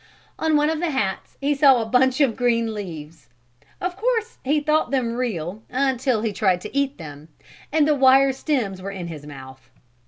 On one of the hats he saw a bunch of green leaves; of course, he thought them real until he tried to eat them and the wire stems were in his mouth.